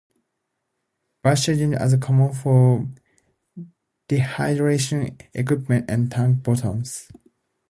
Batch treatments are common for dehydration equipment and tank bottoms.